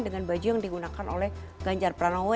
dengan baju yang digunakan oleh ganjar pranowo